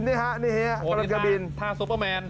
กำลังจะบินท่าท่าซูเปอร์แมน